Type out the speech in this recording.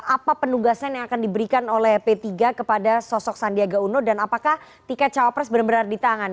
apa penugasan yang akan diberikan oleh p tiga kepada sosok sandiaga uno dan apakah tiket cawapres benar benar di tangan